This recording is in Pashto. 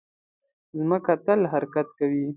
مځکه تل حرکت کوي.